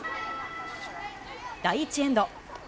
第１エンド。